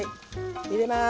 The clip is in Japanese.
入れます。